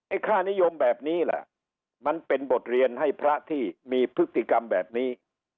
ค่านิยมแบบนี้ล่ะมันเป็นบทเรียนให้พระที่มีพฤติกรรมแบบนี้